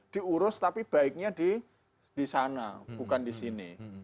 diurus tapi baiknya di sana bukan di sini